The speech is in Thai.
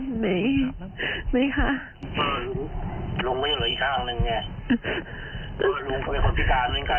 ลุงไม่อยู่ในอีกข้างหนึ่งลุงเป็นคนพิการเหมือนกัน